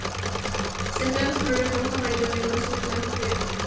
Se emplean los colores rojo, amarillo, negro, azul, blanco y verde.